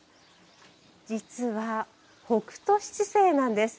実は「北斗七星」なんです。